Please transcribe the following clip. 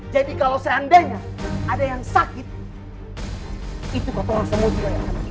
jadi kalau seandainya ada yang sakit itu kok orang semua juga yang sakit